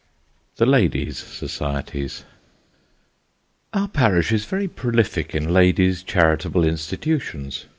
THE LADIES' SOCIETIES. OCR Parish is very prolific in ladies' charitable institutions.